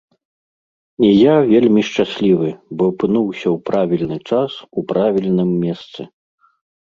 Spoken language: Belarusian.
І я вельмі шчаслівы, бо апынуўся ў правільны час у правільным месцы.